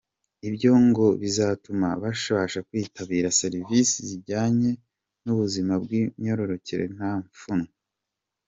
Ibyo ngo bizatuma babasha kwitabira services zijyanye n’ubuzima bw’imyororokere nta pfunwe.